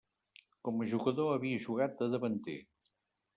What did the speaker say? Com a jugador havia jugat de davanter.